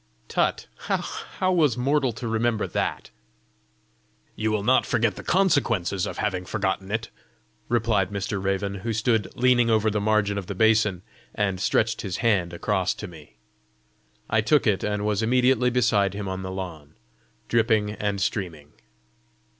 "Tut! how was mortal to remember that?" "You will not forget the consequences of having forgotten it!" replied Mr. Raven, who stood leaning over the margin of the basin, and stretched his hand across to me. I took it, and was immediately beside him on the lawn, dripping and streaming.